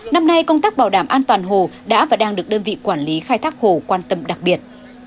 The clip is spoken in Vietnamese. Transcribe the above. năm nay công tác bảo đảm an toàn hồ đã và đang được đơn vị quản lý khai thác hồ quan tâm đặc biệt